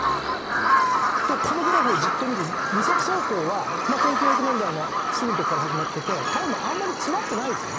このグラフをじっと見ると二足走行は１９００年代のすぐのところから始まっててタイムはあんまり詰まってないですよね。